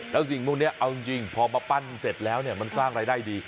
แล้วสิ่งพวกนี้เอาจริงพอมาปั้นเสร็จแล้วเนี่ยมันสร้างรายได้ดี